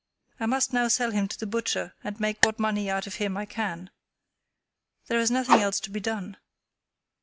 I must now sell him to the butcher and make what money out of him I can. There is nothing else to be done."